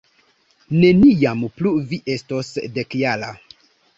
Neniam plu vi estos dekjara.